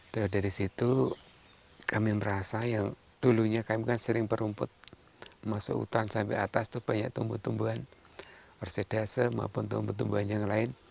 terus dari situ kami merasa yang dulunya kami kan sering berumput masuk hutan sampai atas itu banyak tumbuh tumbuhan persedase maupun tumbuh tumbuhan yang lain